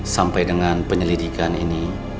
sampai dengan penyelidikan ini